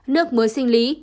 nước muối sinh lý